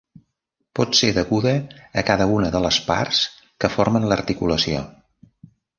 Pot ser deguda a cada una de les parts que formen l'articulació.